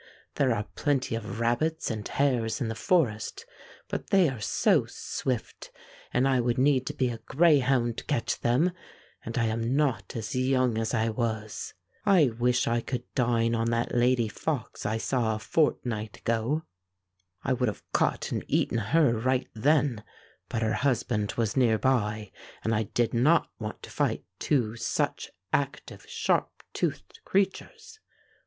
There are plenty of rabbits and hares in the forest, but they are so swift I would need to be a greyhound to catch them, and I am not as young as I was. I wish I could dine on that lady fox I saw a fortnight ago. I would have caught and eaten her right then, but her husband was near by, and I did not want to fight two such active, 170 Fairy Tale Foxes sharp toothed creatures.